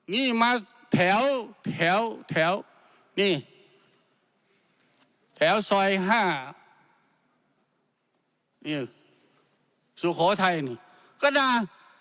นี่มาแถวแถวนี่แถวซอย๕นี่สุโขทัยนี่ก็นะ